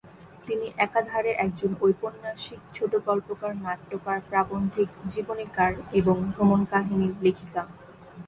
তিনি একাধারে একজন ঔপন্যাসিক, ছোটগল্পকার, নাট্যকার, প্রাবন্ধিক, জীবনীকার এবং ভ্রমণকাহিনী লেখিকা।